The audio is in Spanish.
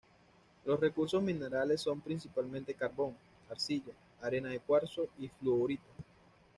Los recursos minerales son principalmente carbón, arcilla, arena de cuarzo y fluorita.